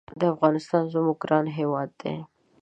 افغانستان زمونږ ګران هېواد دی